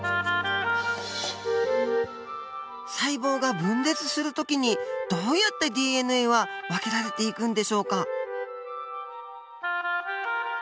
細胞が分裂する時にどうやってＤＮＡは分けられていくんでしょうか。